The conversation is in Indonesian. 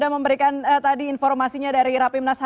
memberikan tadi informasinya dari rapim nasari